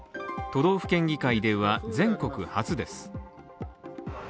都道府県議会では全国初です。